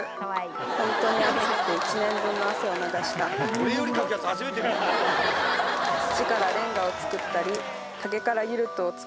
俺よりかくやつ初めて見たユルト！